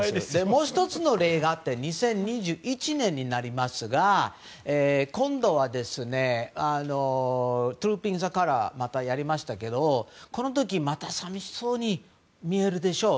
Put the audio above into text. もう１つの例があって２０２１年ですが今度はトゥルーピング・ザ・カラーまたやりましたけどこの時、また寂しそうに見えるでしょう。